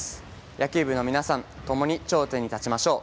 野球部の皆さん、共に頂点に立ちましょう。